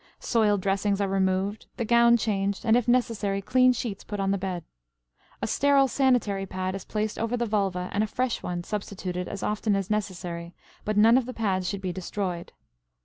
Soiled dressings are removed, the gown changed, and, if necessary, clean sheets put on the bed. A sterile sanitary pad is placed over the vulva and a fresh one substituted as often as necessary, but none of the pads should be destroyed.